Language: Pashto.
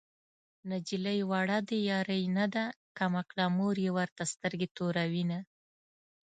نجلۍ وړه د يارۍ نه ده کم عقله مور يې ورته سترګې توروينه